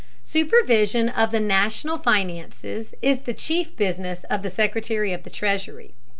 Supervision of the national finances is the chief business of the Secretary of the Treasury.